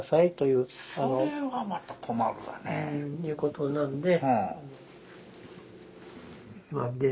いうことなんで。